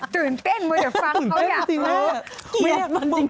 ตื่นเต้นเว้ยเหมือนฟังเขาอย่าง